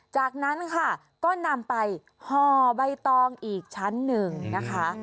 จากนั้นค่ะก็นำไปห่อใบตองอีกชั้นหนึ่งนะคะ